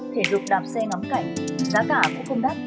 thể dục đạp xe ngắm cảnh giá cả cũng không đắt